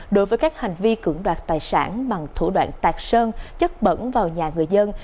đối với các hành vi cưỡng đoạt tài sản bằng thủ đoạn tạc sơn chất bẩn vào nhà người dân